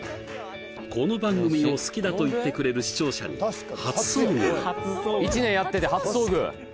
この番組を好きだと言ってくれる視聴者に初遭遇なあ